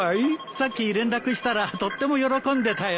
さっき連絡したらとっても喜んでたよ。